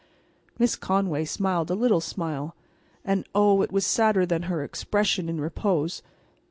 Miss Conway smiled a little smile. And oh, it was sadder than her expression in repose.